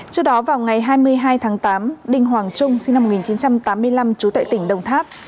trước đó vào ngày hai mươi hai tháng tám đinh hoàng trung sinh năm một nghìn chín trăm tám mươi năm trú tại tỉnh đồng tháp